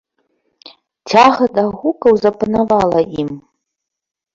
Цяга да гукаў запанавала ім.